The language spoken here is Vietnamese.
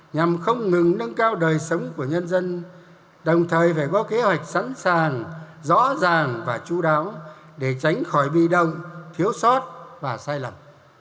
nhằm không ngừng nâng cao đời sống của nhân dân đồng thời phải có kế hoạch sẵn sàng rõ ràng và chú đáo để tránh khỏi bi động thiếu sót và sai lầm